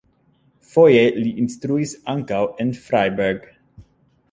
Foje li instruis ankaŭ en Freiberg.